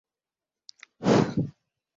Au nionapo shida